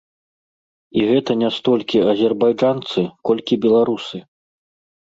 І гэта не столькі азербайджанцы, колькі беларусы.